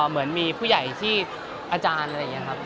มีผู้ใหญ่ที่อาจารย์อะไรอย่างเนี้ยครับ